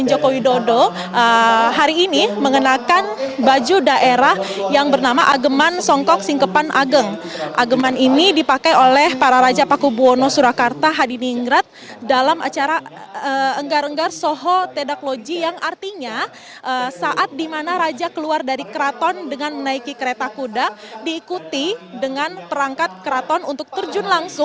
oke dan berbicara soal seni begitu